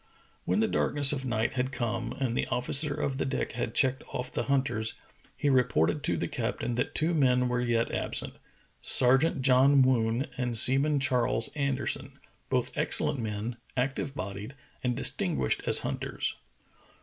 When the darkness of night had come and the officer of the deck had checked off the hunters, he reported to the captain that two men were \^et absent — Sergeant John Woon and Seaman Charles Anderson, both excellent men, active bodied and dis tinguished as hunters.